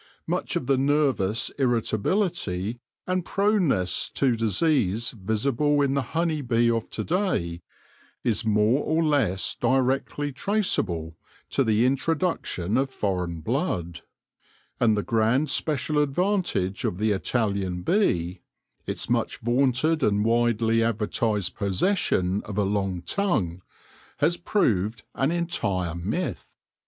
Much of the nervous irritability and proneness to disease visible in the honey bee of to day is more or less directly traceable to the introduction of foreign blood ; and the grand special advantage of the Italian bee — its much vaunted and widely advertised possession of a long tongue — has proved an entire myth.